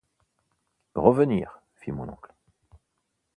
Revenir ! fit mon oncle